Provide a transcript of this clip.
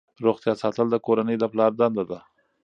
روغتیا ساتل د کورنۍ د پلار دنده ده.